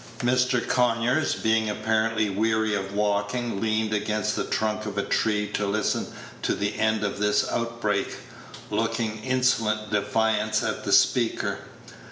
Mr. Conyers, being apparently weary of walking, leaned against the trunk of a tree to listen to the end of this outbreak, looking insolent defiance at the speaker.